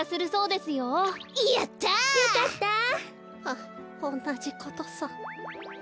はっおんなじことさ。